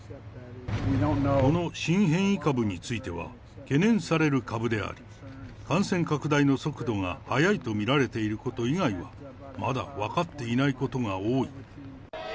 この新変異株については、懸念される株であり、感染拡大の速度が速いと見られていること以外は、まだ分かっていないことが多い。